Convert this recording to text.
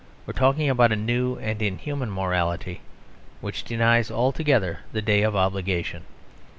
We are talking about a new and inhuman morality, which denies altogether the day of obligation.